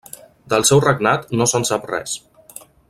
Del seu regnat no se'n sap res.